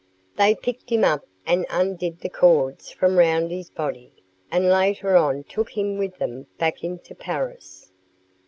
They picked him up and undid the cords from round his body, and later on took him with them back into Paris.